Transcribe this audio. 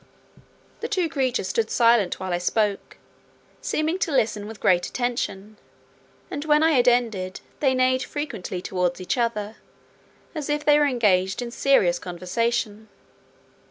The two creatures stood silent while I spoke, seeming to listen with great attention, and when I had ended, they neighed frequently towards each other, as if they were engaged in serious conversation.